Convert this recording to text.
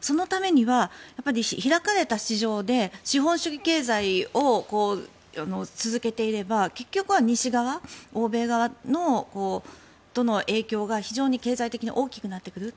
そのためには、開かれた市場で資本主義経済を続けていれば、結局は西側欧米側との影響が非常に経済的に大きくなってくる。